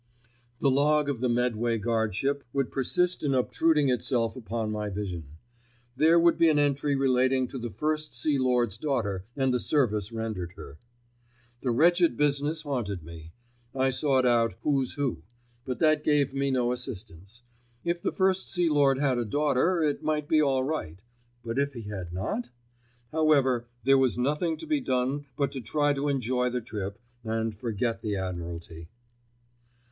The log of the Medway guardship would persist in obtruding itself upon my vision. There would be an entry relating to the First Sea Lord's daughter and the service rendered her. The wretched business haunted me. I sought out "Who's Who"; but that gave me no assistance. If the First Sea Lord had a daughter, it might be all right; but if he had not? However, there was nothing to be done but to try to enjoy the trip, and forget the Admiralty.